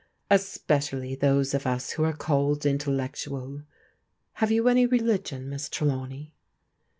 — es pecially those of us who are called intellectual! Have you any religion, Miss Trelawney?